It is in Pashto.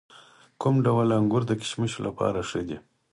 کوم ډول انګور د کشمشو لپاره ښه دي؟